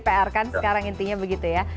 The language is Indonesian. pr kan sekarang intinya begitu ya